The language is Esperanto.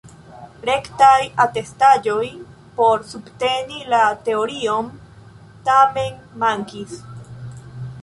Rektaj atestaĵoj por subteni la teorion tamen mankis.